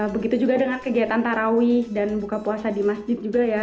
begitu juga dengan kegiatan tarawih dan buka puasa di masjid juga ya